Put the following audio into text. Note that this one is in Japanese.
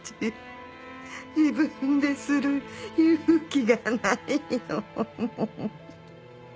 自分でする勇気がないの。